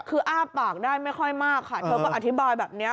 คืออ้าปากได้ไม่ค่อยมากค่ะเธอก็อธิบายแบบนี้